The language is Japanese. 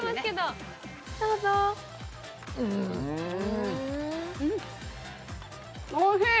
どうぞおいしい！